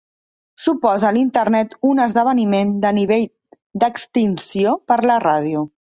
Suposa l'Internet un esdeveniment del nivell d'extinció per la ràdio.